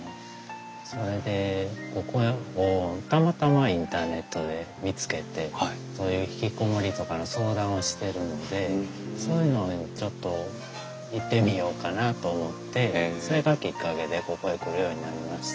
それでここをたまたまインターネットで見つけてそういう引きこもりとかの相談をしてるんでそういうのちょっと行ってみようかなと思ってそれがきっかけでここへ来るようになりました。